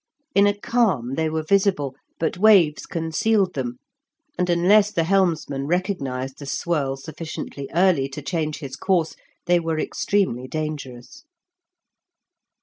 In a calm they were visible, but waves concealed them, and unless the helmsman recognised the swirl sufficiently early to change his course, they were extremely dangerous.